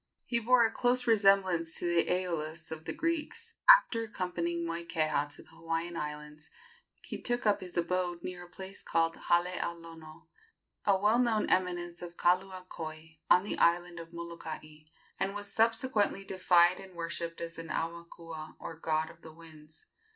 He bore a close resemblance to the Æolus of the Greeks. After accompanying Moikeha to the Hawaiian Islands he took up his abode near a place called Hale a Lono, a well known eminence of Kaluakoi, on the island of Molokai, and was subsequently deified and worshipped as an aumakua, or god of the winds.